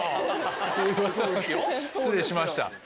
失礼しました。